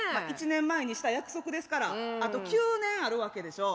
１年前にした約束ですからあと９年あるわけでしょ。